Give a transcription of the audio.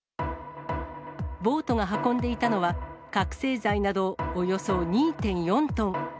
ボートが運んでいたのは、覚醒剤などおよそ２．４トン。